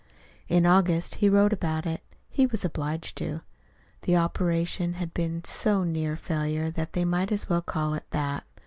In August he wrote about it. He was obliged to. The operation had been so near a failure that they might as well call it that.